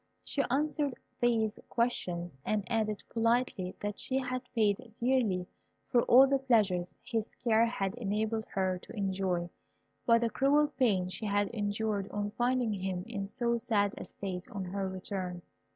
She answered these questions, and added politely that she had paid dearly for all the pleasures his care had enabled her to enjoy, by the cruel pain she had endured on finding him in so sad a state on her return.